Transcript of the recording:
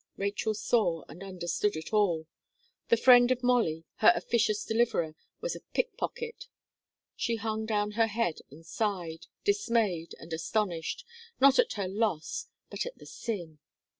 Rachel saw and understood it all the friend of Molly, her officious deliverer, was a pick pocket She hung down her head and sighed, dismayed and astonished, not at her loss, but at the sin.